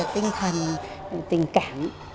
tinh thần tình cảm